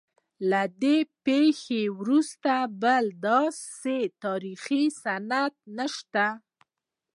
له دې پیښې وروسته بل داسې تاریخي سند نشته.